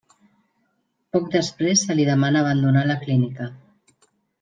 Poc després se li demana abandonar la clínica.